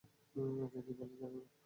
একে কী বলে জানি না।